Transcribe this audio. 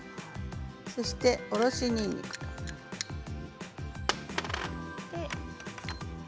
そして、おろしにんにくです。